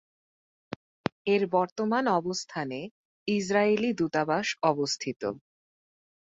এর বর্তমান অবস্থানে ইসরায়েলি দূতাবাস অবস্থিত।